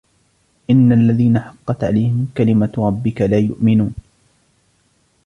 إِنَّ الَّذِينَ حَقَّتْ عَلَيْهِمْ كَلِمَتُ رَبِّكَ لَا يُؤْمِنُونَ